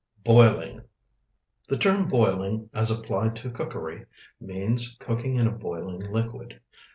BOILING The term "boiling," as applied to cookery, means cooking in a boiling liquid.